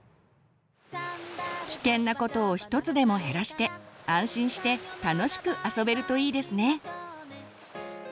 危険なことを一つでも減らして安心して楽しく遊べるといいですね。